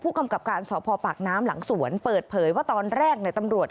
กำกับการสพปากน้ำหลังสวนเปิดเผยว่าตอนแรกเนี่ยตำรวจ